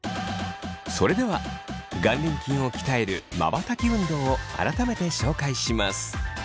それでは眼輪筋を鍛えるまばたき運動を改めて紹介します。